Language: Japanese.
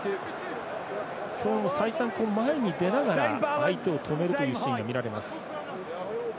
今日も再三、前に出ながら相手を止めるというシーンが見られます。